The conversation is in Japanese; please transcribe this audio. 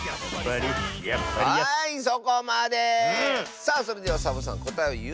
さあそれではサボさんこたえをいうのである！